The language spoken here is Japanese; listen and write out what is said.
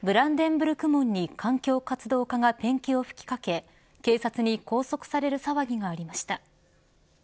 ブランデンブルク門に環境活動家がペンキを吹きかけ警察に拘束される騒ぎがありました。